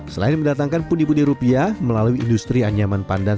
selain mendatangkan puni puni rupiah melalui industri anyaman pandan